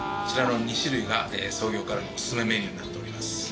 こちらの２種類が創業からのおすすめメニューになっております。